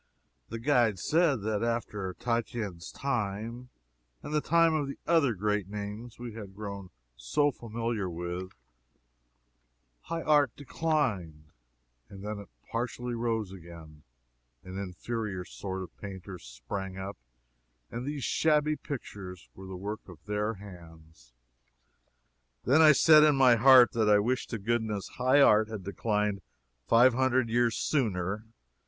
The guide said that after Titian's time and the time of the other great names we had grown so familiar with, high art declined; then it partially rose again an inferior sort of painters sprang up, and these shabby pictures were the work of their hands. Then I said, in my heat, that I "wished to goodness high art had declined five hundred years sooner."